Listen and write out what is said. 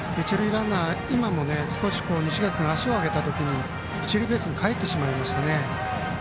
ランナー、今も少し西垣君足を上げた時に一塁ベースにかえってしまいましたね。